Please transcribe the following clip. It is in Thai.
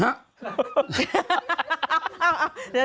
ฮะ